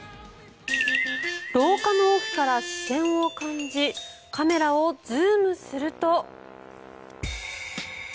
廊下の奥から視線を感じカメラをズームすると。